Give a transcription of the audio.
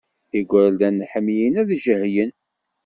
Igerdan ḥemmlen ad jehlen.